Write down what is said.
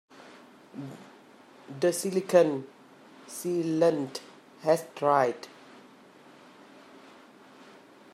The silicon sealant has dried.